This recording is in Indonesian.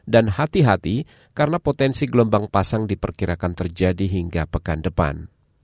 dan hati hati karena potensi gelombang pasang diperkirakan terjadi hingga pekan depan